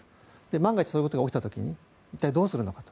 万が一そういうことが起きた時に一体どうするのかと。